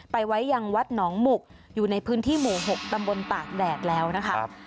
ไว้ยังวัดหนองหมุกอยู่ในพื้นที่หมู่๖ตำบลตากแดดแล้วนะคะ